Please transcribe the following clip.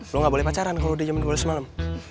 lo gak boleh pacaran kalau udah jam dua belas malam